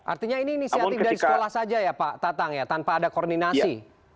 artinya ini inisiatif dari sekolah saja ya pak tatang ya tanpa ada koordinasi